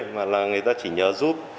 mà là người ta chỉ nhớ giúp